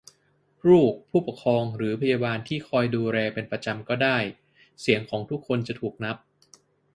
ลูก ผู้ปกครอง หรือพยาบาลที่คอยดูแลเป็นประจำก็ได้ - เสียงของทุกคนจะถูกนับ